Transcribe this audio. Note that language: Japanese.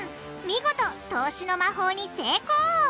見事透視の魔法に成功！